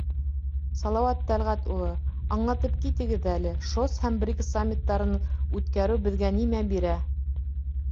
— Салауат Тәлғәт улы, аңлатып китегеҙ әле, ШОС һәм БРИКС саммиттарын үткәреү беҙгә нимә бирә?